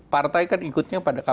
partai kan ikutnya pada